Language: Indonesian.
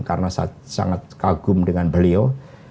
karena saya sangat kagum dengan beliau